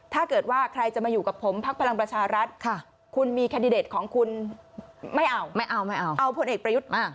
ถ้าเกิดว่าใครจะมาอยู่กับผมพักพลังประชารัฐ